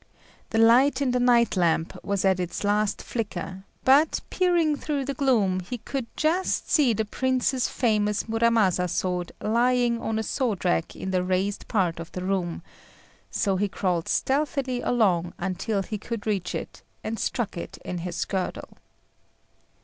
The light in the night lamp was at its last flicker, but, peering through the gloom, he could just see the Prince's famous Muramasa sword lying on a sword rack in the raised part of the room: so he crawled stealthily along until he could reach it, and stuck it in his girdle.